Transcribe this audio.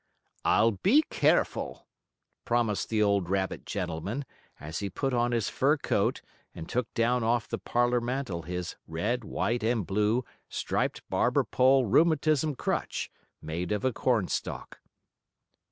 "I'll be careful," promised the old rabbit gentleman, as he put on his fur coat and took down off the parlor mantle his red, white and blue striped barber pole rheumatism crutch, made of a corn stalk.